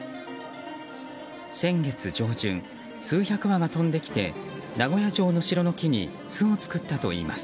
先月上旬、数百羽が飛んできて名古屋城の城の木に巣を作ったといいます。